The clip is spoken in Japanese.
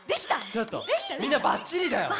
ちょっとみんなバッチリだよ！